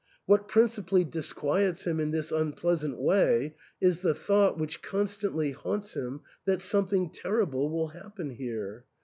What principally disquiets him in this unpleasant way is the thought, which constantly haunts him, that something terrible will happen here.